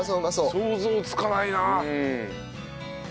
想像つかないな。